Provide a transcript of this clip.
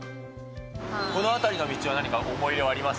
この辺りの道は、何か思い入れはあります？